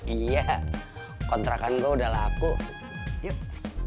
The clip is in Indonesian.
iya kontrakan gue udah laku yuk